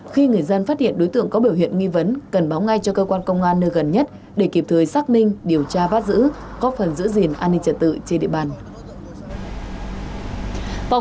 khi người dân phát hiện đối tượng có biểu hiện nghi vấn cần báo ngay cho cơ quan công an nơi gần nhất để kịp thời xác minh điều tra bắt giữ có phần giữ gìn an ninh trật tự trên địa bàn